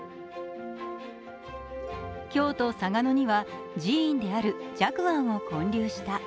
京都・嵯峨野には、寺院である寂庵を建立した。